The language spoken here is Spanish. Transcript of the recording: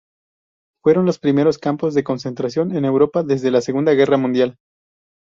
Fueron los primeros campos de concentración en Europa desde la segunda guerra mundial.